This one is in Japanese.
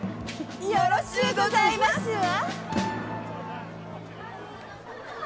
よろしゅうございますわ。